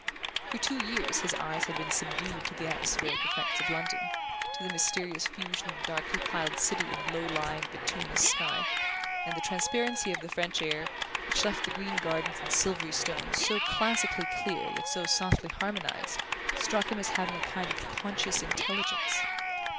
For two years his eyes had been subdued to the atmospheric effects of London, to the mysterious fusion of darkly piled city and low lying bituminous sky; and the transparency of the French air, which left the green gardens and silvery stones so classically clear yet so softly harmonized, struck him as having a kind of conscious intelligence.